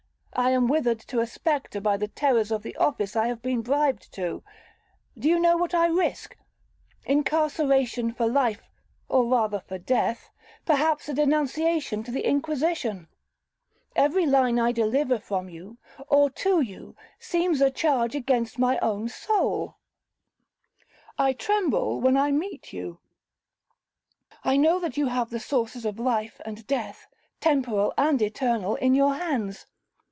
I am withered to a spectre by the terrors of the office I have been bribed to. Do you know what I risk?—incarceration for life, or rather for death,—perhaps a denunciation to the Inquisition. Every line I deliver from you, or to you, seems a charge against my own soul,—I tremble when I meet you. I know that you have the sources of life and death, temporal and eternal, in your hands.